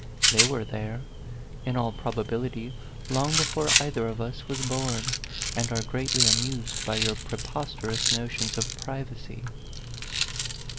They were there, in all probability, long before either of us was born, and are greatly amused by your pre posterous notions of privacy."